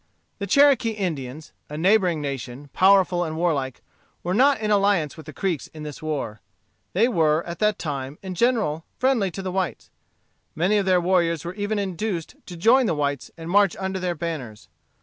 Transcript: The Cherokee Indians, a neighboring nation, powerful and warlike, were not in alliance with the Creeks in this war. They were, at that time, in general friendly to the whites. Many of their warriors were even induced to join the whites and march under their banners.